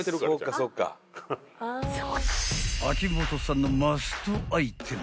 ［秋元さんのマストアイテム